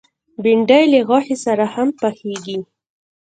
بېنډۍ له غوښې سره هم پخېږي